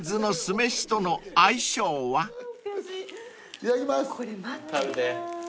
いただきます。